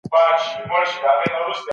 ډيپلوماسي کولای سي د لويو شخړو مخنيوی وکړي.